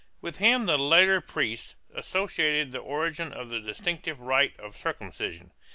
With him the later priests associated the origin of the distinctive rite of circumcision.